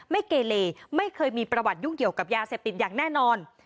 เกเลไม่เคยมีประวัติยุ่งเกี่ยวกับยาเสพติดอย่างแน่นอน